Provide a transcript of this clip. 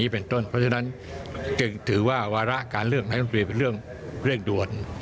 เพราะฉะนั้นถือว่าวาระการเลือกนายต้องเปลี่ยนเป็นเรื่องเร่งด่วน